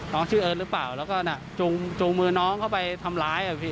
น้องชื่อเอิร์ทหรือเปล่าแล้วก็จุงมือน้องเข้าไปทำร้าย